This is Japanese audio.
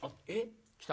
来た？